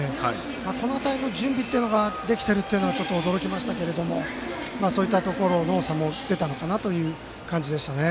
この点の準備ができているのはちょっと驚きましたけどこういったところの差も出たのかなという感じでしたね。